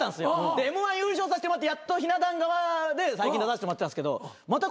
でＭ−１優勝させてもらってやっとひな壇側で最近出させてもらってたんですけどまた